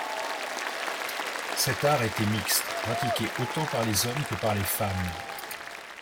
Cet art était mixte, pratiqué autant par les hommes que par les femmes.